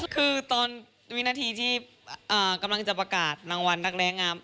คือตอนวินาทีที่กำลังจะประกาศรางวัลนักแรงงาม